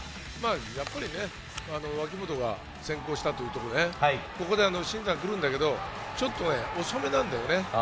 やっぱり脇本が先行したというところね、ここで新山くるんだけど、ちょっと遅めなんだよね。